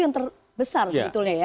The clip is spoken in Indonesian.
yang terbesar sebetulnya ya